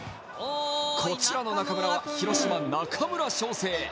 こちらの中村は広島・中村奨成。